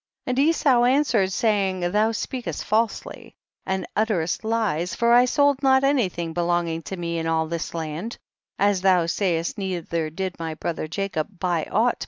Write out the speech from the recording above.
And Esau answered, saying, thou speakest falsely and utterest lies, for I sold not anything belonging to me in all this land, as thou sayest, neither did my brother Jacob buy aught belonging to me in this land.